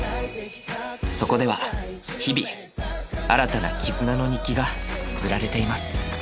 そこでは日々新たな絆の日記がつづられています。